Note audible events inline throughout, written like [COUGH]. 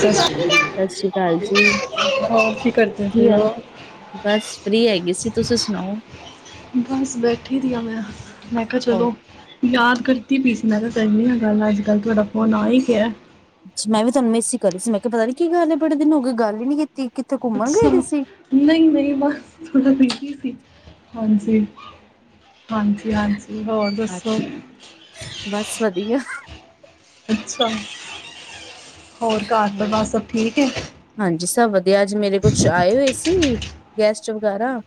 ਸ ਸ਼੍ਰੀ, ਸਤਿ ਸ੍ਰੀ ਅਕਾਲ ਜੀ, ਹੋਰ ਕੀ ਕਰਦੇ ਪੇ ਓ? ਬਸ ਫ਼ਰੀ ਹੈਗੀ ਸੀ, ਤੁਸੀਂ ਸੁਣਾਓ। ਹੁਣ ਬਸ ਬੈਠੀ ਦੀ ਆ ਮੈਂ, ਮੈਂ ਕਿਹਾ ਹੋ ਚਲੋ ਯਾਦ ਕਰਦੀ ਪਈ ਸੀ, ਮੈਂ ਕਿਹਾ ਕਰਨੀ ਆ ਗੱਲ ਅੱਜਕੱਲ, ਤੁਹਾਡਾ ਫੋਨ ਆ ਈ ਗਿਆ। ਅੱਛਾ, ਮੈਂ ਵੀ ਤੁਹਾਨੂੰ ਮਿੱਸ ਈ ਕਰ ਰਹੀ ਸੀ, ਮੈਂ ਕਿਹਾ ਪਤਾ ਨੀ ਕੀ ਗੱਲ ਏ ਬੜੇ ਦਿਨ ਹੋ ਗਏ, ਗੱਲ ਈ ਨੀ ਕੀਤੀ, ਕਿੱਥੇ ਘੁੰਮਨ ਗਏ ਦੀ ਸੀ। ਨਹੀਂ-ਨਹੀਂ, ਬਸ ਥੋੜ੍ਹਾ ਬੀਜੀ ਸੀ, ਹਾਂਜੀ। ਹਾਂਜੀ-ਹਾਂਜੀ, ਹੋਰ ਦੱਸੋ। ਬਸ ਵਧੀਆਂ। ਅੱਛਾ, ਹੋਰ ਘਰ ਪਰਿਵਾਰ ਸਭ ਠੀਕ ਏ। ਹਾਂਜੀ ਸਭ ਵਧੀਆ, ਅੱਜ ਮੇਰੇ ਕੁੱਛ ਆਏ ਹੋਏ ਸੀ ਗੈਸਟ ਵਗੈਰਾ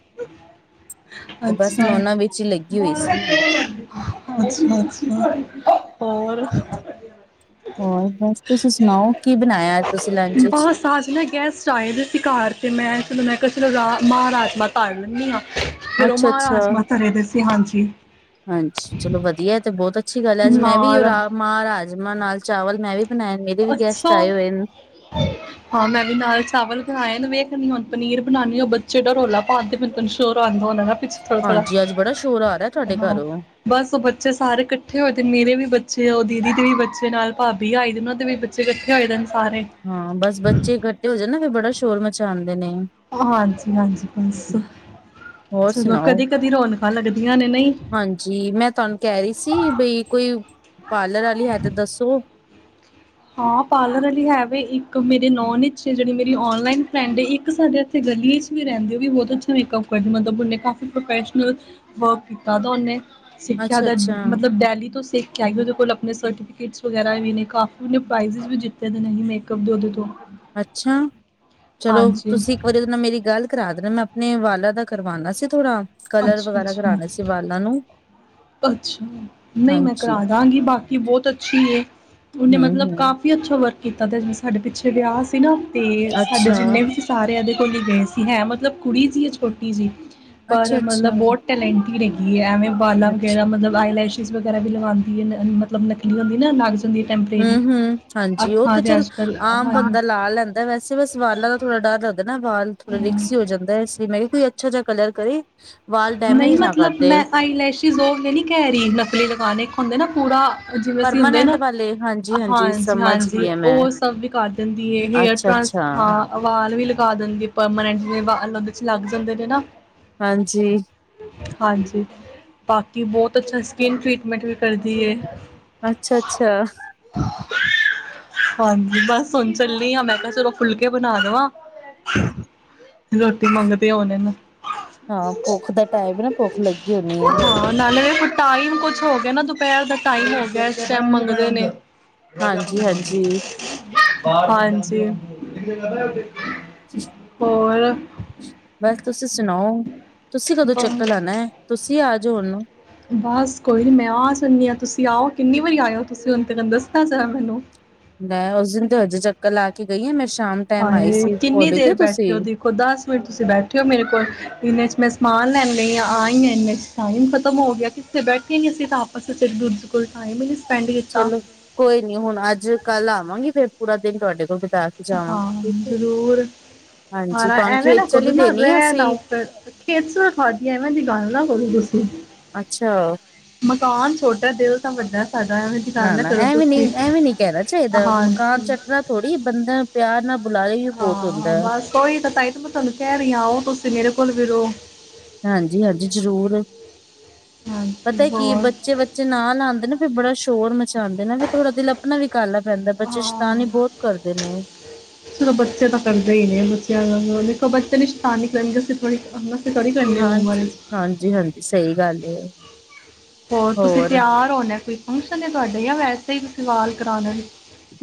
ਤੇ ਬਸ ਅੱਛਾ। ਮੈਂ ਉਹਨਾਂ ਵਿੱਚ ਹੀ ਲੱਗੀ ਅੱਛਾ- ਹੋਈ ਸੀ, ਅੱਛਾ ਹੋਰ ਹੋਰ ਬਸ ਤੁਸੀਂ ਸੁਣਾਓ ਕੀ ਬਨਾਇਆ ਅੱਜ ਤੁਸੀਂ ਲੰਚ ਈਚ ਬਸ ਅੱਜ ਨਾ ਗੈਸਟ ਆਏ ਦੇ ਸੀ ਘਰ 'ਤੇ ਮੈਂ ਚਲ ਮੈਂ ਕਿਆ ਚਲੋ ਰਾ ਮਾਅ ਰਾਜਮਾਂ ਧੱਰ ਲੇਨੀਂ ਆ। ਫਿਰ ਓ ਹਾਂਜੀ ਮਾਅ ਰਾਜਮਾ ਧਰੇ ਦੇ ਸੀ, ਹਾਂਜੀ ਹਾਂਜੀ ਚਲੋ ਵਧੀਆ ਏਂ ਤੇ ਬੋਤ ਅੱਛੀ ਗੱਲ ਐ, ਅੱਜ ਮੈਂ ਵੀ ਨਾਲ ਰਾ ਮਾਅ ਰਾਜਮਾਂ ਨਾਲ ਚਾਵਲ ਮੈਂ ਵੀ ਬਣਾਏ, ਮੇਰੇ ਵੀ ਗੈਸਟ ਅੱਛਾ ਆਏ ਹੋਏ ਨੇ ਹਾਂ ਮੈਂ ਵੀ ਨਾਲ ਚਾਵਲ ਬਨਾਏ ਨੇ, ਵੇਖਨੀ ਆ ਹੁਣ ਪਨੀਰ ਬਨਾਨੀ। ਓ ਬੱਚੇ ਐਡਾ ਰੋਲਾ ਪਾਦੇ ਤੈਨੂੰ ਸ਼ੋਰ ਆਂਦਾ ਹੋਣਾਂ ਦਾ ਕੁੱਛ ਥੋੜਾਂ -ਥੋੜਾਂ, ਹਾਂਜੀ ਅੱਜ ਬੜਾ ਸ਼ੋਰ ਆ ਰਿਹਾ ਤੁਹਾਡੇ ਹਾਂ। ਘਰੋਂ। ਬਸ ਓ ਬੱਚੇ ਸਾਰੇ ਕੱਠੇ ਹੋਏ ਤੇ ਮੇਰੇ ਵੀ ਬੱਚੇ ਔ, ਓ ਦੀਦੀ ਦੇ ਵੀ ਬੱਚੇ ਨਾਲ ਭਾਬੀ ਆਈ ਉਹਨਾਂ ਦੇ ਵੀ ਬੱਚੇ ਕੱਠੇ ਹੋਏ ਦੇ ਨੇ ਸਾਰੇ ਹਾਂ ਬਸ ਬੱਚੇ ਇਕੱਠੇ ਹੋ ਜਾਂਣ ਨਾ ਫੇਰ ਬੜਾ ਸ਼ੋਰ ਮਚਾਂਦੇ ਨੇ। ਹਾਂਜੀ- ਹਾਂਜੀ ਬਸ, ਹੋਰ ਚਲੋਂ ਸੁਣਾਓ? ਕਦੀ-ਕਦੀ ਰੌਣਕਾਂ ਲੱਗਦੀਆਂ ਨੇ ਨਈ। ਹਾਂਜੀ ਮੈਂ ਤਾਹਨੂੰ ਕਹਿ ਰੀ ਸੀ ਬਈ ਕੋਈ ਪਾਰਲਰ ਆਲੀ ਹੈ ਤੇ ਦੱਸੋ। ਹਾਂ ਪਾਰਲਰ ਆਲੀ ਹੈ ਵੇ ਇੱਕ ਮੇਰੇ ਨੋਨ ਇਚ ਜਿਹੜੀ ਮੇਰੀ ਔਨਲਾਈਨ ਫਰੈਂਡ ਇੱਕ ਸਾਡੇ ਗਲੀ ਏ ਇਚ ਵੀ ਰਹਿੰਦੇ ਓ ਵੀ ਬੋਤ ਅੱਛਾ ਮੇਕਅਪ ਕਰਦੇ, ਮਤਲਬ ਉਹਨੇ ਕਾਫੀ ਪ੍ਰੋਫੈਸ਼ਨਲ ਬਹੁ ਕੀਤਾ ਦਾ ਉਹਨੇ ਸਿੱਖਿਆ ਅੱਛਾ ਦਾ ਅੱਛਾ ਮਤਲਬ ਡੈਲੀ ਤੋਂ ਸਿੱਖ ਆਈ, ਉਹਦੇ ਕੋਲ ਆਪਣੇ ਸਰਟੀਫੀਕੇਟਸ ਵਗੈਰਾ ਵੀ ਨੇ ਕਾ ਓਨੇ ਪ੍ਰਾਈਜਜ ਵੀ ਜਿਤੇ ਦੇ ਇਹੀ ਮੇਕਅਪ ਦੇ ਉਹਦੇ ਤੋਂ ਅੱਛਾ ਚਲੋ ਹਾਂਜੀ ਤੁਸੀਂ ਇੱਕ ਵਾਰੀ ਮੇਰੀ ਗੱਲ ਕਰਾਂ ਦੇਨਾਂ, ਮੈਂ ਆਪਣੇ ਵਾਲਾਂ ਦਾ ਕਰਵਾਨਾ ਸੀ ਥੋੜ੍ਹਾ ਕਲਰ ਅੱਛਾ ਵਗੈਰਾ ਅੱਛਾ ਕਰਾਨੇ ਸੀ ਵਾਲਾਂ ਨੂੰ ਅੱਛਾ ਨਈ ਮੈਂ ਹਾਂਜੀ ਕਰਾ ਦਾਂਗੀ ਬਾਕੀ ਬੋਤ ਅੱਛੀ ਏ ਉਹਨੇ ਹਮ ਮਤਲਬ ਹਮ ਕਾਫੀ ਫੀ ਅੱਛਾ ਵਰਕ ਕੀਤਾ ਦਾ ਤੇ ਜਿਵੇਂ ਸਾਡੇ ਪਿੱਛੇ ਵਿਆਹ ਸੀ ਨਾ ਤੇ ਸਾਡੇ ਅੱਛਾ ਜਿੰਨੇ ਵੀ ਸਾਰੇ ਉਹਦੇ ਕੋਲ ਈ ਗਏ ਸੀ, ਹੈ ਮਤਲਬ ਕੁੜੀ ਸੀ ਛੋਟੀ ਜੀ ਪਰ ਅੱਛਾ ਅੱਛਾ ਮਤਲਬ ਬੋਤ ਟੈਲੈਂਟੀਡ ਹੈਗੀ ਏ, ਐਵੇਂ ਬਾਲਾਂ ਵਗੈਰਾ ਅੱਛਾ ਮਤਲਬ ਮਤਲਬ ਆਈਂ ਲੈਛਿਸ ਵਗ਼ੈਰਾ ਵੀ ਲਗਾਂਦੀ ਏਂ, ਮਤਲਬ ਨਕਲ਼ੀ ਹੁੰਦੀਂ ਨਾ ਨਗਜ ਹੂੰ -ਹੂੰ ਹਾਂਜੀ ਓ ਤੇ ਚੱਲ ਅੱਜ ਕੱਲ ਆਮ ਬੰਦਾਂ ਲਾ ਹਾਂਜੀ ਲੈਂਦਾ ਵੈਸੇ ਬਸ ਵਾਲਾਂ ਦਾ ਥੋੜਾ ਡਰ ਲੱਗਦਾ ਨਾ, ਵਾਲ ਥੋੜਾ ਰਿਕਸੀ ਹੋ ਜਾਂਦੇ ਇਸ ਲਈ ਮੈਂ ਕਿਆ ਕੋਈ ਅੱਛਾ ਜਾ ਕਲਰ ਕਰੇ। ਵਾਲ ਨਈ ਡੈਮੇਜ ਨਾ ਮਤਲਬ ਕਰਦੇ ਮੈਂ ਆਈ ਲੈਛਿਜ਼ ਓ ਹੁੰਦੇ ਨੀ ਕੈਰੀ ਨਕਲੀ ਲਗਾਨੇ ਇੱਕ ਹੁੰਦੇ ਨਾ ਪੂਰਾ ਜਿਵੇਂ ਅਸੀਂ ਹੁੰਦੇ ਪਰਮਾਨੈਂਟ ਨਾ, ਵਾਲੇ ਹਾਂਜੀ-ਹਾਂਜੀ ਹਾਂਜੀ- ਸਮਝ ਹਾਂਜੀ ਗਈ ਆ ਓ ਸਭ ਵੀ ਕਰ ਦਿੰਦੀ ਏ ਹੇਯਰ ਟਾਂ ਟਾ। ਅਵਾਲ ਵੀ ਲਗਾ ਦਿੰਦੀ ਪਰਮਾਨੈਂਟ ਜਿਵੇ ਵਾਲ ਉਹਦੇ ਚ ਲੱਗ ਜਾਂਦੇ ਨੇ ਨਾ ਹਾਂਜੀ। ਹਾਂਜੀ, ਬਾਕੀ ਬੋਤ ਅੱਛਾ ਸਕਿੰਨ ਟ੍ਰੀਟਮੈਂਟ ਵੀ ਕਰਦੀ ਏ ਅੱਛਾ-ਅੱਛਾ। [INAUDIBLE] ਹਾਂਜੀ ਬਸ ਹੁਨ ਚੱਲੀ ਆ ਮੈਂ ਮੈਂ ਚਲੋ ਫੁਲਕੇ ਬਨਾ ਦਵਾਂ। ਰੋਟੀ ਮੰਗਦੇ ਹੋਨੇਨ। ਹਾਂ ਪੋਖ ਦਾ ਟਾਈਮ ਏਨਾ ਪੋਖ ਲੱਗੀ ਹੋਨੀ ਏ ਹਾਂ ਨਾਲੇ ਦੇਖੋ ਟਾਈਮ ਕੁਛ ਹੋ ਗੇਆ ਨਾ ਦੁਪੈਰ ਦਾ ਟਾਈਮ ਹੋ ਗਿਆ ਇਸ ਟਾਈਮ ਮੰਗਦੇ ਨੇ ਰਾਜਾ ਹਾਂਜੀ-ਹਾਂਜੀ ਆਪਣੇ-ਆਪਣੇ ਕਾਮ [UNINTELLIGIBLE] ਹਾਂਜੀ ਹੋਰ ਬਸ ਤੁਸੀਂ ਸੁਣਾਓ, ਤੁਸੀਂ ਕਦੋਂ ਚੱਕਰ ਬਸ ਲਾਨੈ ਤੁਸੀਂ ਆ ਜੋ ਹੂੰਨ। ਬਾਸ ਕੋਈ ਨੀ ਮੈਂ ਆ ਜਾਨੀਂ ਆਂ ਤੁਸੀਂ ਆਓ ਕਿੰਨੀ ਵਾਰੀ ਆਏਓ ਤੁਸੀਂ ਮੈਨੂ ਦੱਸਨਾ ਜਰਾ ਮੈਨੂੰ। ਮੈਂ ਉਸੀ ਦਿਨ ਤੇ ਹਜੇ ਚੱਕਰ ਲਾ ਕੇ ਗਈ ਆਂ ਮੈਂ ਸ਼ਾਮ ਟਾਈਮ ਆਈ ਹਾਏ! ਸੀ ਕਿੰਨੀ ਭੁੱਲ ਦੇਰ ਗਏ ਤੁਸੀਂ ਬੈਠੇ ਓ ਦੀ ਓ ਦਸ ਮਿੰਟ ਤੁਸੀਂ ਬੈਠੇ ਓ ਮੇਰੇ ਕੋਲ, ਇਨੇ'ਚ ਮੈਂ ਸਮਾਨ ਲੈਨ ਗਈ ਆਂ ਆਈਂ ਆਂ ਇੱਨੇ 'ਚ ਟਾਈਮ ਖਤਮ ਹੋ ਗਿਆ। ਤੇ ਬੈਠੇ ਨੀ ਅਸੀਂ ਤਾਂ ਆਪਸ ਵਿੱਚ ਇੱਕ ਦੂਜੇ ਕੋਲ ਟਾਈਮ ਈ ਨੀ ਸਪੈਂਡ ਕੀਤਾ। ਚਲੋ ਕੋਈ ਨੀ ਹੁਣ ਅੱਜ-ਕੱਲ ਆਵਾਂਗੀ ਫੇਰ ਪੂਰਾ ਦਿਨ ਤੁਆਡੇ ਕੋਲ ਬਿਤਾ ਕੇ ਹਾਂ ਜਾਵਾਂਗੀ ਹੁਣ ਠੀਕ ਹੈ। ਜ਼ਰੂਰ, ਹਾਂਜੀ ਆਣਾ ਤੁਹਾਨੂੰ ਐਵੇਂ ਨਾ ਖੇਚਲ ਕਰੋ ਹੀ ਨਾ ਦੇਣੀ ਆ ਰੈਹਣ ਅਸੀਂ ਆਓ। ਚਲ, ਖੇਚਲ ਕਾਦੀ ਐਵੇ ਦੀ ਗੱਲ ਨਾ ਕਰੋ ਤੁਸੀਂ। ਅੱਛਾ। ਮਕਾਨ ਛੋਟੈ ਦਿਲ ਤਾਂ ਵੱਡਾ ਸਾਡਾ ਐਵੇਂ ਦੀ ਗੱਲ ਨਾ, ਨਾ ਕਰੋ ਐਵੇਂ ਨੀ ਤੁਸੀਂ ਐਵੀਂ ਨੀ ਕੈਹਣਾ ਚਾਈਦਾ ਮਕਾਨ ਹਾਂਜੀ। ਚੱਟਣਾ ਥੋੜੀ ਏ, ਬੰਦਾ ਪਿਆਰ ਨਾਲ ਬੁਲਾਏ ਏਈਓ ਬਹੋਤ ਹੁੰਦੈ। ਕੋਈ ਤਾਂ ਤਾਈਤਾ ਮੈਂ ਤੁਆਨੂੰ ਕੈਹ ਰਈ ਆਂ ਓਹ ਤੁਸੀਂ ਮੇਰੇ ਕੋਲ ਵੀ ਰੋ ਹਾਂਜੀ-ਹਾਂਜੀ ਜ਼ਰੂਰ, ਹਾਂਜੀ ਪਤੈ ਕੀ ਹੋਰ ਬੱਚੇੇ ਬੱਚੇ ਨਾਲ ਆਂਦੇ ਨਾ ਤੇ ਫੇਰ ਬੜਾ ਸ਼ੋਰ ਮੱਛਰਦੇਨੇ ਵੀ ਥੋੜਾ ਦਿਲ ਆਪਣਾ ਵੀ ਕਾੱਲਾ ਪੈਂਦੈਂ, ਬੱਚੇ ਹਾਂ ਸੈ਼ਤਾਨੀ ਬਹੋਤ ਕਰਦੇ ਨੇ। ਚਲੋ ਬੱਚੇ ਤਾਂ ਕਰਦੇ ਈ ਨੇ, ਬੱਚਿਆਂ ਦੇਖੋ ਬੱਚੇ ਨੀ ਸੈ਼ਤਾਨੀ ਕਰਨਗੇ ਅਸੀਂ ਥੋੜੀ ਥੋੜੀ ਕਰਨੀ ਉਹ ਉਮਰ ਹਾਂਜੀ, ਵਿੱਚ ਹਾਂਜੀ-ਹਾਂਜੀ, ਸਈ ਗੱਲ ਏ ਓ। ਹੋਰ ਤੁਸੀਂ ਤਿਆਰ ਹੋਣਾ ਕੋਈ ਫੰਕਸ਼ਨ ਐ ਤੁਆਡੇ, ਜਾਂ ਵੈਸੇ ਹੀ ਤੁਸੀਂ ਵਾਲ ਕਟਾਣ।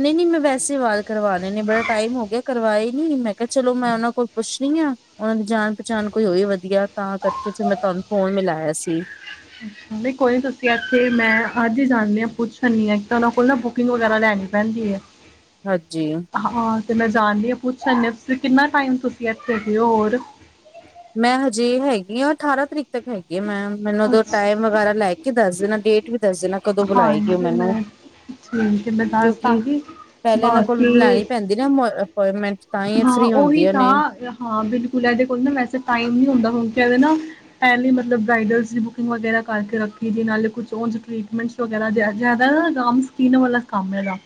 ਨਈ-ਨੀ ਮੈਂ ਵੈਸੇ ਵਾਲ ਕਰਵਾ ਲੇ ਨੇ ਬੜਾ ਟਾਈਮ ਹੋ ਗਿਆ ਕਰਵਾ ਈ ਨੀ, ਮੈਂ ਕੇਆ ਚਲੋ ਮੈਂ ਓੱਨਾਂ ਕੋਲ ਪੁੱਛਣੀ ਆ। ਉੰਝ ਜਾਣ ਪਛਾਣ ਕੋਈ ਹੋਈ ਵਧੀਆ, ਤਾਂ ਕਰਕੇ ਫੇਰ ਮੈਂ ਤੁਆਨੂੰ ਫੋਨ ਮਿਲਾਆ ਸੀ। ਨਈ ਕੋਈ ਨੀ ਤੁਸੀਂ ਇੱਥੇ ਮੈਂ ਅੱਜ ਈ ਜਾਣੇ ਆ ਪੁੱਛਣ ਨਈ ਤਾਂ ਓੱਨਾਂ ਕੋਲ ਨਾ ਬੁ ਬੁਕਿੰਗ ਵਗੈਰਾ ਲੈਣੀ ਪੈਂਦੀ ਏ। ਹਾਂਜੀ। ਹਾਂ ਤੇ ਮੈਂ ਜਾਂਣੀ ਆਂ ਪੁੱਛਣ ਤੁਸੀ ਕਿੰਨਾ ਟਾਈਮ ਤੁਸੀਂ ਐਥੇ ਹੈਗੇ ਓ ਹੋਰ ਮੈਂ ਹਜੇ ਹੈਗੀ ਆਂ ਅਠਾਰਾਂ ਤਰੀਕ ਤੱਕ ਹੈਗੀ ਐ ਮੈਮ ਮੈਨੂੰ ਉਦੋਂ ਅੱਛਾ ਟਾਈਮ ਵਗੈਰਾ ਲੈ ਕੇ ਦੱਸ ਦੇਣਾ, ਡੇਟ ਵੀ ਦੱਸ ਦੇਣਾ ਕਦੋਂ ਬੁਲਾਏਗੀ ਓ ਹਾਂਜੀ ਮੈਨੂੰ। ਮੈਂ ਸੁਣ ਕੇ ਮੈਂ ਦੱਸ ਕਿਉਂਕਿ, ਦਾਂਗੀ ਪੈਹਲੇ ਇਹਨਾਂ ਕੋਲ ਬਾਕੀ ਲੈਣੀ ਪੈਂਦੀ ਨਾ ਅਮੋਏ ਅਪੋਇਮੈਂਟ। ਹਾਂ ਉਹੀ ਤਾਂ ਹਾਂ ਬਿਲਕੁਲ ਐਦੇ ਕੋਲ ਨਾ ਵੈਸੇ ਟਾਈਮ ਨੀ ਹੁੰਦਾ ਹੁਣ ਕਦੇ ਨਾ। ਪੈਹਲੇ ਮਤਲਬ ਬ੍ਰਾਇਡਲਸ ਦੀ ਬੁਕਿੰਗ ਵਗੈਰਾ ਕਰਕੇ ਰੱਖੀ ਦੀ ਨਾਲੇ ਕੁਛ ਓਂਝ ਟਰੀਟਮੈਂਟਸ ਵਗੈਰਾ ਜ਼ਿਆਦਾ ਆਮ ਸਕੀਨ ਵਾਲਾ ਕੰਮ ਏ ਐਦਾ।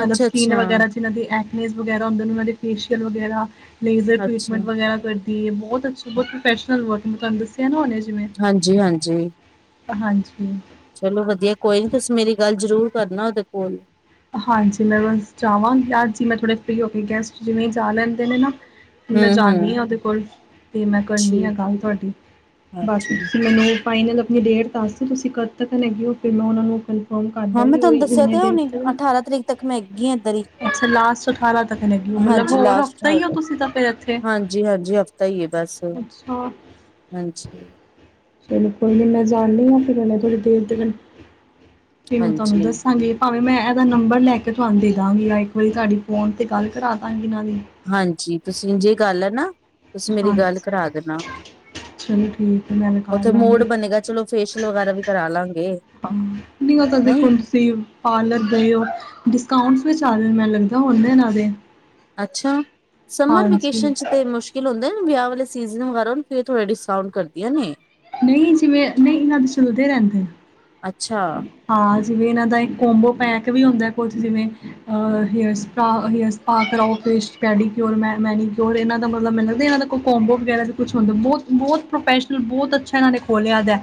ਮਤਲਬ ਸਕਿਨ ਅੱਛਾ-ਅੱਛਾ ਵਗੈਰਾ ਜਿਨਾਂ ਦੀ ਐਕਨ ਵਗੈਰਾ ਹੁੰਦੇ ਨੇ ਓਹਨਾਂ ਦੇ ਫੇਸ਼ੀਅਲ ਵਗੈਰਾ ਲੇਜ਼ਰ ਅੱਛਾ ਟ੍ਰਰੀਟਮੈਂਟ ਵਗੈਰਾ ਕਰਦੀ ਐ, ਬਹੋਤ ਅੱਛੀ ਬਹੋਤ ਪ੍ਰਫੈਸ਼ਨਲ ਵਰਕਿੰਗ ਤੁਆਨੂੰ ਦੱਸੇ ਸੇਆ ਨਾ ਹੁਣੇ ਜਿਵੇਂ, ਹਾਂਜੀ-ਹਾਂਜੀ ਹਾਂਜੀ। ਚਲੋ ਵਧੀਆ, ਕੋਈ ਨੀ ਤੁਂਸੀ ਮੇਰੀ ਗੱਲ ਜ਼ਰੂਰ ਕਰਨਾ ਓਹਦੇ ਕੋਲ। ਹਾਂਜੀ ਮੈਂ ਬਸ ਜਾਵਾਂਗੀ ਜੀ ਅੱਜ ਹੀ ਮੈਂ ਥੋੜੇ ਫਰੀ ਹੋ ਕੇ ਗੈਸਟ ਜਿਵੇਂ ਜਾ ਲੈਂਦੇ ਨੇ ਨਾ। ਮੈਂ ਜਾਂਣੀ ਹੂੰ-ਹੂੰ ਆਂ ਓਦੇ ਕੋਲ, ਤੇ ਮੈਂ ਕਰਨੀ ਆ ਠੀਕ ਗੱਲ ਤੁਆਡੀ, ਹਾਂਜੀ ਬਾਕੀ ਤੁਸੀਂ ਮੈਨੂੰ ਫਾਈਨਲ ਆਪਣੀ ਡੇਟ ਦੱਸ ਦਿਓ ਤੁਸੀਂ ਕਦ ਤੱਕ ਹੈਗੇ ਹੋ ਫੇਰ ਮੈਂ ਉਹਨਾਂ ਨੂੰ ਫੋਨ ਹਾਂ ਮੈਂ ਕਰਦਾਗੀ ਉਹੀ ਤੁਹਾਨੂੰ ਦੱਸਿਆ ਇੰਨੇ ਡੇਟ ਹੁਣੀ ਤੇ ਅਠਾਰਾਂ ਤਰੀਕ ਤੱਕ ਮੈਂ ਹੈਗੀ ਆ ਇੱਧਰ ਈ। ਅੱਛਾ ਲਾਸਟ ਅਠਾਰਾਂ ਤੱਕ ਲੈਗੇ ਹੋ ਮਤਲਬ ਹੋਰ ਹਫ਼ਤਾ ਹੀ ਹੋ ਤੁਸੀਂ ਤਾਂ ਫਿਰ ਇੱਥੇ। ਹਾਂਜੀ-ਹਾਂਜੀ ਹਫ ਅੱਛਾ। ਹਾਂਜੀ। ਚਲੋ ਕੋਈ ਨੀ ਮੈਂ ਜਾਨੀ ਆ ਫੇਰ ਹੁਣੇ ਥੋੜ੍ਹੀ ਦੇਰ ਤਕ, ਫੇਰ ਮੈਂ ਤੁਹਾਨੂੰ ਹਾਂਜੀ ਦੱਸਾਂਗੀ। ਭਾਵੇਂ ਮੈਂ ਇਹਦਾ ਨੰਬਰ ਲੈ ਕੇ ਤੁਹਾਨੂੰ ਦੇ ਦਾਂਗੀ ਜਾਂ ਇੱਕ ਵਾਰੀ ਤੁਹਾਡੀ ਫੋਨ 'ਤੇ ਗੱਲ ਕਰਾ ਦਾਂਗੀ ਇਹਨਾਂ ਦੀ। ਹਾਂਜੀ ਤੁਸੀਂ ਇੰਜ ਈ ਕਰ ਲੈਣਾ। ਤੁਸੀਂ ਮੇਰੀ ਗੱਲ ਹਾਂਜੀ ਕਰਾ ਦੇਣਾ। ਚਲੋ ਠੀਕ ਹੈ ਮੈਂ ਲਗਾ ਉੱਥੇ ਮੋੜ ਲਾਂਗੀ ਬਣੇਗਾ। ਚਲੋ ਫੇਸ਼ੀਅਲ ਵਗੈਰਾ ਵੀ ਕਰਾਲਾਂਗੇ। [UNINTELLIGIBLE] ਨਹੀਂ ਉਹ ਤਾਂ ਦੇਖੋ ਹੁਣ ਤੁਸੀਂ ਨਹੀਂ ਹੁਣ ਪਾਰਲਰ ਗਏ ਓ ਡਿਸਕਾਊਂਟਸ ਵੀ ਚੱਲ ਰਹੇ ਮੈ ਲੱਗਦਾ ਉਹਦੇ ਨਾਲ ਦੇ। ਅੱਛਾ, ਸਮਰ ਹਾਂਜੀ ਵੇਕੇਸ਼ਨ 'ਚ ਤੇ ਮੁਸ਼ਕ ਮੁਸ਼ਕਿਲ ਹੁੰਦੇ ਨੇ ਵਿਆਹ ਵਾਲੇ ਸੀਜ਼ਨ ਵਗੈਰਾ ਫਿਰ ਥੋੜਾ ਡਿਸਕਾਊਂਟ ਕਰਦੀਆਂ ਨੇ। ਨਹੀਂ ਜਿਵੇਂ ਨਹੀਂ ਇਹਨਾਂ ਦੇ ਚਲਦੇ ਰਹਿੰਦੇ ਨੇ। ਅੱਛਾ। ਹਾਂ ਜਿਵੇਂ ਏਨਾਂ ਦਾ ਇੱਕ ਕੋਮਬੋ ਪੈਕ ਵੀ ਹੁੰਦੈ, ਕੁਝ ਜਿਵੇਂ‌ ਅ ਹੇਅਰ ਸਪਾ, ਹੇਅਰ ਸਪਾ ਕਰਾਓ, ਫਿਸ਼ ਪੈਡੀਕਿਓਰ, ਮੈਨੀਕਿਓਰ ਏਨਾਂ ਦਾ ਮਤਲਬ ਮੈਨੂੰ ਵੀ ਏਨਾਂ ਦਾ ਕੋ ਕੋੰਬੋ ਵਗੈਰਾ 'ਚ ਕੁਛ ਹੁੰਦਾ ਬੋਤ ਬੋਤ ਪ੍ਰੋਫੈਸ਼ਨਲ ਬੋਤ ਅ ਅੱਛਾ ਐਨਾਂ ਨੇ ਖੋਲਿਆ ਦੈ,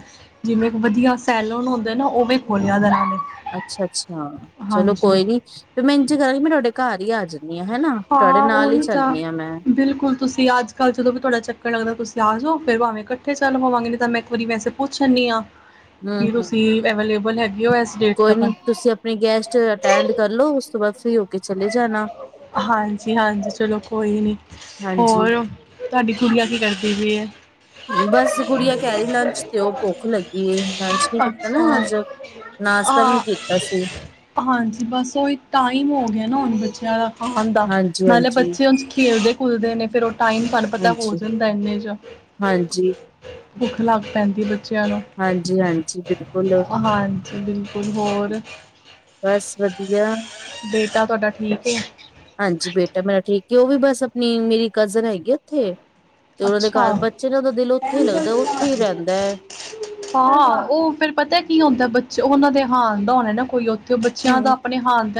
ਜਿਵੇਂ ਵਧੀਆ ਸੈਲੋਨ ਹੁੰਦੇ ਨਾ ਓਵੇਂ ਖੋਲਿਆ ਦਾ ਐਨਾਂ ਨੇ। ਅੱਛਾ-ਅੱਛਾ, ਚਲੋ ਹਾਂਜੀ ਕੋਈ ਨੀ, ਫੇਰ ਮੈਂ ਇੰਝੇ ਕਰਾਂਗੀ ਮੈਂ ਤੋਡੇ ਘਰ ਈ ਆਜ ਨੀ ਆ ਹੈ, ਤੁਹਾਡੇ ਹਾਂ ਨਾਲ ਈ ਉਹੀ ਤਾਂ ਚੱਲਣੀ ਆ ਮੈਂ। ਬਿਲਕੁਲ ਤੁਸੀਂ ਅੱਜਕਾਲ ਜਦੋ ਵੀ ਤੁਵਾਡਾ ਚੱਕਰ ਲੱਗਦੈ ਤੁਸੀਂ ਆ ਜੋ ਫੇਰ ਭਾਵੇਂ ਕੱਠੇ ਚੱਲ ਪਵਾਂਗੇ ਨੀ ਤਾਂ ਮੈਂ ਇੱਕ ਵਾਰੀ ਵੈਸੇ ਪੁੱਛ ਆਨੀ ਆਂ, ਹਮ ਕੀ ਹਮ ਤੁਸੀਂ ਅਵੇਲੇਬਲ ਹੈਗੇ ਓ ਐਸ ਕੋਈ ਨੀ ਤੁਸੀਂ ਅਪਣੀ ਗੈਸਟ ਅਟੈਂਡ ਕਰ ਲੋ ਉਸ ਤੋਂ ਬਾਦ ਫਰੀ ਹੋ ਕੇ ਚਲੇ ਜਾਣਾ। ਹਾਂਜੀ-ਹਾਂਜੀ ਚਲੋ ਕੋਈ ਨੀ, ਹਾਂਜੀ ਹੋਰ। ਤੁਹਾਡੀ ਗੁੜੀਆਂ ਕੀ ਕਰਦੀ ਪਈ ਏ? ਬਸ ਗੁੜੀਆਂ ਕਹਿ ਰਹੀ ਲੰਚ ਦਿਓ, ਭੁੱਖ ਲੱਗੀ ਏ, ਲੰਚ ਨੀ ਕੀਤਾ ਨਾ ਅੱਛਾ ਅੱਜ। ਨਾਸਤਾ ਵੀ ਨੀ ਹਾਂ ਕੀਤਾ ਸੀ। ਹਾਂਜੀ ਬਸ ਉਹੀ ਟਾਈਮ ਹੋ ਗਿਐ ਨਾ ਹੁਣ ਬੱਚਿਆਂ ਦਾ। ਆਣ ਦਾ। ਹਾਂਜੀ ਨਾਲੇ ਹਾਂਜੀ ਬੱਚੇ ਓੰਝ ਖੇਡਦੇ-ਖੂਲਦੇ ਨੇ ਫੇਰ ਓ ਟਾਈਮ ਤਹਾਨੂੰ ਪਤੈ ਹੋ ਹਾਂਜੀ ਜਾਂਦੈ ਏਨੇ 'ਚ, ਹਾਂਜੀ ਭੁੱਖ ਲੱਗ ਪੈਂਦੀ ਏ ਬੱਚਿਆਂ ਨੂੰ। ਹਾਂਜੀ ਹਾਂਜੀ ਬਿਲਕੁਲ ਹਾਂਜੀ ਬਿਲਕੁਲ ਹੋਰ। ਬਸ ਵਧੀਆ ਬੇਟਾ ਤੁਹਾਡਾ ਠੀਕ ਏ? ਹਾਂਜੀ ਬੇਟਾ ਮੇਰਾ ਠੀਕ ਏ ਉਹ ਵੀ ਬਸ ਅਪਣੀ ਮੇਰੀ ਕਜ਼ਨ ਹੈਗੀ ਓਥੇ ਤੇ ਉਹਨਾਂ ਦੇ ਘਰ ਅੱਛਾ ਬੱਚੇ ਨੇ ਉਹਦਾ ਦਿਲ ਉਥੇ ਈ ਲੱਗਦੈ ਉੱਥੇ ਈ ਰਹਿਦੈ। ਹਾਂ ਉਹ ਫੇਰ ਪਤੈ ਕੀ ਹੁੰਦੈ ਬੱਚ ਉਹਨਾਂ ਦੇ ਹਾਂਣ ਦਾ ਹੋਣੈ ਨਾ ਕੋਈ ਓ ਹੂੰ,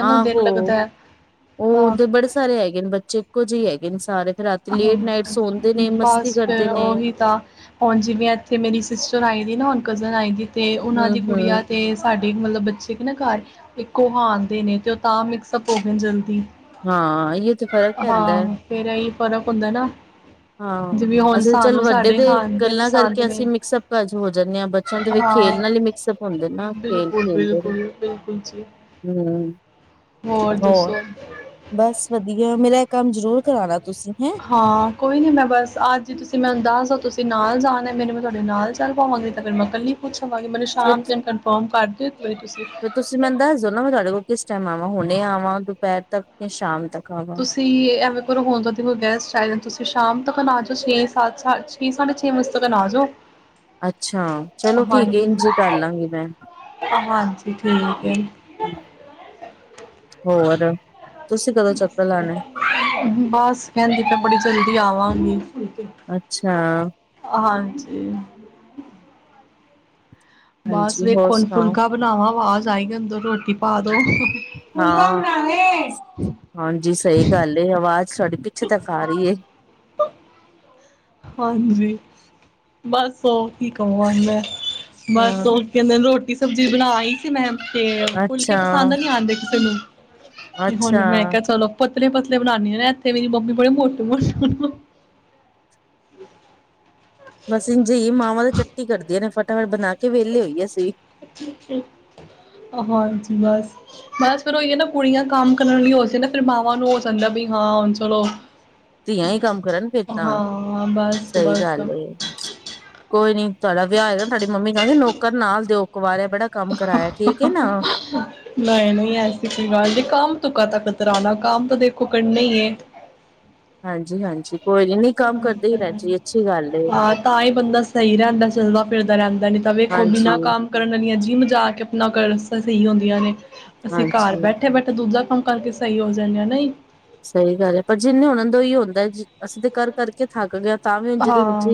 ਆਹੋ ਹੈ ਉਹ ਹਾਂ ਦੇ ਬੜੇ ਸਾਰੇ ਹੈਗੇ ਨੇ ਬੱਚੇ। ਇਕੋ ਜੇ ਈ ਹੈਗੇ ਨੇ ਸਾਰੇ। ਫਿਰ ਰਾਤੀ ਹੂੰ, ਲੇਟ ਨਾਈਟ ਸੌਦੇ ਨੇ ਮਸਤੀ ਬਸ ਕਰਦੇ ਫੇਰ ਨੇ ਓਹੀ ਤਾਂ। ਹੁਣ ਜਿਵੇਂ ਐਥੇ ਮੇਰੀ ਸਿਸਟਰ ਆਈ ਦੀ ਨਾ ਹੁਣ ਕਜ਼ਨ ਆਈ ਦੀ ਤੇ ਉਨਾਂ ਹੂੰ ਦੀ ਕੁੜੀਆਂ ਹੂੰ ਤੇ ਸਾਡੀ ਮਤਲਬ ਬੱਚੇ ਕੀ ਨਾ ਘਰ ਇੱਕੋ ਹਾਣਦੇ ਨੇ ਤੇ ਉਹ ਤਾਂ ਮਿਕਸਅਪ ਹੋਗੇ ਨੇ ਜਲਦੀ। ਹਾਂ ਇਹ ਤੇ ਫ਼ਰਕ ਪੈਂਦਾ ਹੈ ਹਾਂ, ਫੇਰ ਐਹੀ ਫ਼ਰਕ ਹੁੰਦਾ ਨਾ। ਹਾਂ, ਜਿਵੇਂ ਹੁਣ ਅਸੀਂ ਚੱਲ ਸਾਨੂੰ ਵੱਡੇ ਸਾਡੇ ਤੇ ਹਾਣ ਦੇ ਗੱਲਾਂ ਪਸੰਦ ਕਰਕੇ ਨੇ ਅਸੀਂ ਮਿਕਸਅਪ ਕ ਹੋ ਜਾਂਣੇ ਆ ਬੱਚ ਸੰਦੇ ਵੇ ਖੇਲ ਹਾਂ ਨਾਲ ਈ ਮਿਕਸਅਪ ਹੁੰਦੇ ਨਾ ਖੇਲ ਬਿਲਕੁਲ ਖੇਲਦੇ ਬਿਲਕੁਲ ਨੇ ਬਿਲਕੁਲ ਜੀ ਹੂੰ। ਹੋਰ ਦੱਸੋ? ਬਸ ਵਧੀਆ, ਮੇਰਾ ਐ ਕੰਮ ਜ਼ਰੂਰ ਕਰਾਣਾ ਤੁਸੀਂ ਹੈ। ਹਾਂ, ਕੋਈ ਨੀ ਮੈਂ ਬਸ ਅੱਜ ਤੁਸੀਂ ਮੈਨੂੰ ਦੱਸ ਦੋ, ਤੁਸੀਂ ਨਾਲ ਜਾਨਾ ਮੈਨੂੰ ਮੈਂ ਤਾਡੇ ਨਾਲ ਚੱਲ ਪਾਵਾਂਗੀ। ਤਾਂ ਫੇਰ ਮੈਂ ਕੱਲ ਪੁੱਛ ਆਂਵਾਂਗੀ ਮੈਨੂੰ ਫਿਰ ਸ਼ਾਮ ਤੀਨ ਕਨਫਰਮ ਕਰ ਦਿਓ ਕਿ ਤੁਸੀਂ ਫਿਰ ਤੁਸੀਂ ਮੈਨੂੰ ਦੱਸ ਦੋ ਨਾ ਮੈਂ ਤੁਆਡੇ ਕੋਲ ਕਿਸ ਟੈਮ ਆਵਾਂ, ਹੁਣੇ ਆਵਾਂ, ਦੁਪੈਰ ਤੱਕ ਕਿ ਸ਼ਾਮ ਤੱਕ ਆਵਾਂ। ਤੁਸੀਂ ਐ ਵੇਖੋ ਕੋ ਹੋਣ ਤਾ ਤੁ ਗੈਸਟ ਆਏ ਦੇ ਤੂਸੀ ਸ਼ਾਮ ਤੱਕਨ ਆਜੋ, ਛੇ-ਸੱਤ ਸਾਡ ਕੀ ਸਾਡੇ ਛੇ ਵਜੇ ਤੱਕਣ ਆ ਜੋ। ਅੱਛਾ, ਚਲੋ ਠੀਕ ਏ ਇੰਜੇ ਕਰ ਲਾਂਗੀ ਮੈਂ ਹਾਂਜੀ ਠੀਕ ਹੂੰ। ਹੈ ਹੂੰ, ਹੋਰ ਤੁਸੀਂ ਕਦੋਂ ਚੱਕਰ ਲਾਣਾ? ਬਾਸ ਕੈੰਦੀ ਪਈ ਬੜੀ ਜਲਦੀ ਆਵਾਂਗੀ। ਅੱਛਾ। ਹਾਂਜੀ। ਬਾਸ ਹਾਂਜੀ ਹੋਰ ਵੇਖੋ ਹੁਣ ਸੁਣਾਓ ਫੁਲਕਾ ਬਣਾਵਾਂ ਵਾਜ਼ ਆਏਗੀ ਅੰਦੋ ਰੋਟੀ ਪਾ ਦੋ। ਹਾਂ, ਹਾਂਜੀ ਸਈ ਗੱਲ ਏ, ਆਵਾਜ਼ ਸਾਡੀ ਪਿਛੇ ਤਕ ਆ ਰੀ ਏ। ਹਾਂਜੀ। ਬਸ ਓ ਕੀ ਕਵਾ ਮੈਂ ਬਸ ਹਾਂ ਓ ਕੈੰਦੇ ਰੋਟੀ ਸਬਜ਼ੀ ਬਣਾ ਆਈ ਸੀ ਮੈਂ। ਤੇ ਫੁਲਕੇ ਅੱਛਾ ਪਸੰਦ ਨੀ ਆੰਦੇ ਕਿਸੇ ਨੂੰ ਕਿ ਹੁਣ ਅੱਛਾ ਮੈਂ ਕੈ ਚਲੋ ਪਤਲੇ-ਪਤਲੇ ਬਣਾਣੀ ਆਂ ਨਾ ਐਥੇ ਮੇਰੀ ਮੰਮੀ ਬੜੇ ਮੋਟੇ-ਮੋਟੇ ਬਸ ਇੰਝੇ ਈ ਏ, ਮਾਵਾਂ ਤੇ ਚੱਟੀ ਕਰਦੀਆਂ ਨੇ ਫਟਾਫਟ ਬਣਾ ਕੇ ਵੇਲੇ ਹੋਈਏ ਅਸੀ। [UNINTELLIGIBLE] ਬਸ। ਬਸ, ਫੇਰ ਉਹੀ ਏ ਨਾ ਕੁੜੀਆਂ ਕੰਮ ਕਰਨ ਲਈ ਹੋ ਜੇ ਨਾ ਫੇਰ ਮਾਵਾਂ ਨੂੰ ਹੋ ਜਾਂਦਾ ਬਈ ਹਾਂ ਹੁਣ ਚਲੋ ਧੀਆਂ ਹੀ ਕੰਮ ਕਰਨ ਫੇਰ, ਤਾਂ ਹਾਂ ਬਸ ਸਈ ਬਸ ਗੱਲ ਏ। ਕੋਈ ਨੀ ਤੁਹਾਡਾ ਵਿਆਹ ਹੋਏਗਾ ਨਾ ਤੁਹਾਡੀ ਮੰਮੀ ਕਹਾਂਗੇ ਨੌਕਰ ਨਾਲ ਦਿਓ, ਕਵਾਰਿਆ ਬੜਾ ਕੰਮ ਕਰਾਇਆ ਠੀਕ ਏ ਨਾ। ਨਈ-ਨਈ ਐਸੀ ਕੋਈ ਗੱਲ ਨੀ ਕੰਮ ਤੋਂ ਕਾਦਾ ਕਤਰਾਨਾ, ਕੰਮ ਤਾਂ ਦੇਖੋ ਕਰਨਾ ਈ ਏ। ਹਾਂਜੀ-ਹਾਂਜੀ। ਹੋਏ ਗੀ ਨਈ। ਹਾਂ, ਤਾਂਹੀ ਬੰਦਾ ਸਈ ਰਹਿੰਦਾ ਚੱਲਦਾ-ਫਿਰਦਾ ਰਹਿੰਦਾ ਨੀ ਤਾਂ ਵੇ ਹਾਂਜੀ। ਕਰਨ ਵਾਲੀਆਂ ਜਿੰਮ ਜਾ ਕੇ ਆਪਣਾ [UNINTELLIGIBLE] ਸਈ ਹੁੰਦੀਆਂ ਨੇ, ਅਸੀਂ ਕਾਰ ਹਾਂਜੀ ਬੈਠੇ-ਬੈਠੇ ਦੂਜਾ ਕੰਮ ਕਰਕੇ ਸਈ ਹੋ ਜਾਂਦੇ ਆ ਨਈ? ਸਈ ਗੱਲ ਏ, ਪਰ ਜਿੰਨੇ ਹੋਨਾਂ ਦਾ ਔਈ ਹੁੰਦਾ, ਅਸੀਂ ਤੇ ਕਰ ਕਰਕੇ ਥੱਕ ਗੇ ਆ। ਹਾਂ।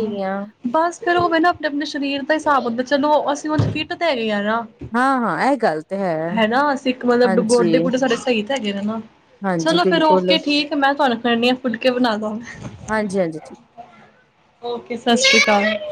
ਬਸ, ਫੇਰ ਉਹ ਨਾ ਅਪਨੇ ਅਪਨੇ ਸ਼ਰੀਰ ਦਾ ਹਿਸਾਬ ਹੁੰਦਾ ਚਲੋ ਅਸੀਂ ਉਝ ਫਿੱਟ ਤੇ ਹੈਗੇ ਆ ਨਾ। ਹਾਂ ਹਾਂ ਇਹ ਗੱਲ ਤੇ ਹੈ ਨਾ ਸਿੱਖ ਮਤਲਬ ਹਾਂਜੀ ਗੋਡੇ-ਗੁੱਡੇ ਸਾਡੇ ਸਈ ਹਾਂਜੀ ਚਲੋ ਫੇਰ ਬਿਲਕੁਲ ਓਕੇ, ਠੀਕ ਮੈਂ ਤੁਹਾਨੂੰ ਕਰਨੀ ਆ, ਫੁੱਲਕੇ ਬਨਾਦਾ। ਹਾਂਜੀ-ਹਾਂਜੀ, ਠੀਕ। ਔਕੇ, ਸਸ ਸ੍ਰੀ ਕਾਲ।